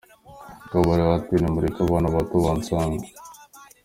Kabarebe ati nimureke abana bato bansange